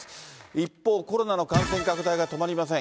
一方、コロナの感染拡大が止まりません。